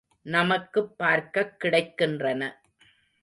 நமக்குப் பார்க்கக் கிடைக்கின்றன.